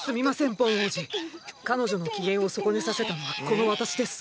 ボン王子彼女の機嫌を損ねさせたのはこの私です。